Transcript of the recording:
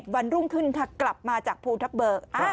วันรุ่งขึ้นกลับมาจากภูทับเบิก